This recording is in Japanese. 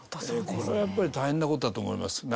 これはやっぱり大変な事だと思います。